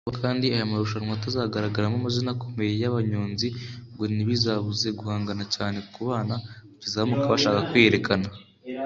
Kuba kandi aya marushanwa atazagaragaramo amazina akomeye y’abanyonzi ngo ntibizabuza guhangana cyane ku bana bakizamuka bashaka kwiyerekana